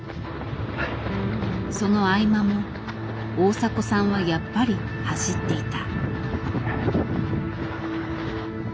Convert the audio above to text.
その合間も大迫さんはやっぱり走っていた。